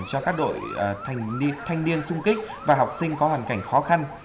cho các đội thanh niên sung kích và học sinh có hoàn cảnh khó khăn